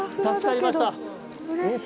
助かりました。